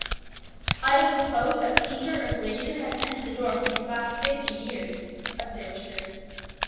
"I don't suppose that painter or glazier has entered the door for these last fifty years," observed Bruce.